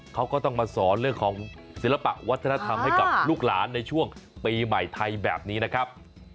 เขาก็ต้องมาสอนเรื่องของศิลปะวัฒนธรรมให้กับลูกหลานในช่วงปีใหม่ไทยแบบนี้นะครับ